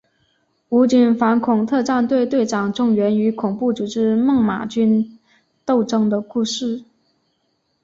武警反恐特战队队长钟原与恐怖组织猛玛军斗争的故事。